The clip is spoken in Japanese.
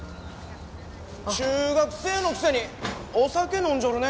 中学生のくせにお酒飲んじょるね。